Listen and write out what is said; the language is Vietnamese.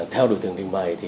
theo đối tượng trình bày